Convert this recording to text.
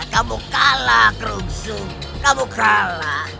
kamu kalah kerusu kamu kalah